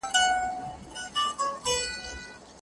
په قران کريم، احاديثو او فقه کي ټولي لارښووني سته.